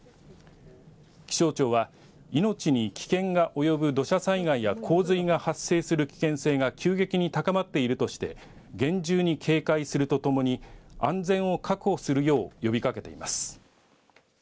気象庁は命に危険が及ぶ土砂災害や洪水が発生する危険性が急激に高まっているとして厳重に警戒するとともに安全を確保するよう呼びかけています。